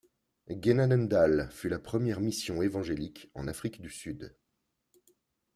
Genadendal fut la première mission évangélique en Afrique du Sud.